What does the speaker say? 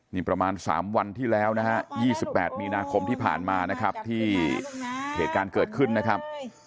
นี่ประมาณ๓วันที่แล้วนะฮะ๒๘มีนาคมที่ผ่านมานะครับที่เหตุการณ์เกิดขึ้นนะครับ